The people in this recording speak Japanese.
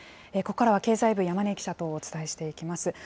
ここからは、経済部、山根記者とお伝えしていきます。